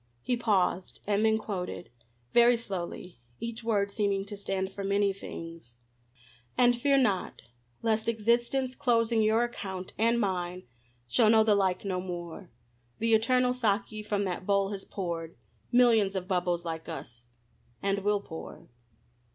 He paused, and then quoted, very slowly, each word seeming to stand for many things: And fear not lest Existence closing your Account, and mine, shall know the like no more; The Eternal Saki from that Bowl has pour'd Millions of Bubbles like us, and will pour.